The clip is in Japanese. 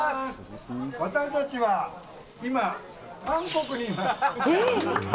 私たちは今、韓国にいます。